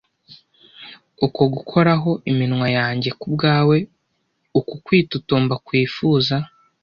Uku gukoraho iminwa yanjye kubwawe, uku kwitotomba kwifuza,